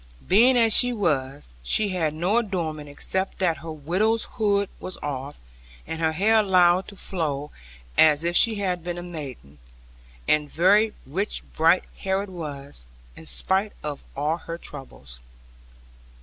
Being as she was, she had no adornment, except that her widow's hood was off, and her hair allowed to flow, as if she had been a maiden; and very rich bright hair it was, in spite of all her troubles.